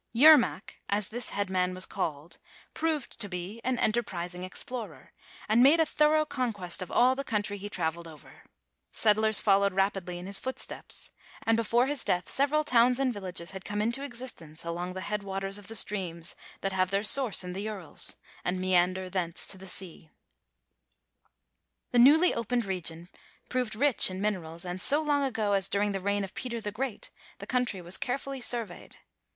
Yermak, as this headman was called, proved to be an enterprising explorer, and made a through conquest of all the country he traveled over. Settlers followed rapidly in his footsteps, and before his death several towns and villages had come into existence along the head waters of the streams that have their source in the Urals, and meander thence to the sea. 245 246 THE TALKING HANDKERCHIEF. The newly opened region proved rich in min erals, and so long ago as during the reign of Peter the Great the countr}^ was carefully surveyed.